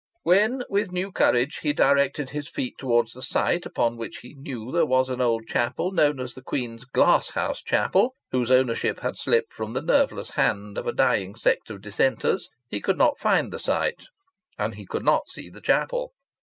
When, with new courage, he directed his feet towards the site, upon which he knew there was an old chapel known as Queen's Glasshouse Chapel, whose ownership had slipped from the nerveless hand of a dying sect of dissenters, he could not find the site and he could not see the chapel.